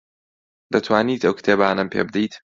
دەتوانیت ئەو کتێبانەم پێ بدەیت؟